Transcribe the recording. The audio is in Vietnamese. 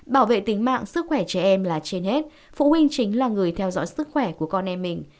bảo vệ tính mạng sức khỏe trẻ em là trên hết phụ huynh chính là người theo dõi sức khỏe của con em mình